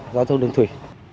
giao thông đường thủy